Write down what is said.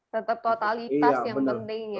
tetap totalitas yang penting ya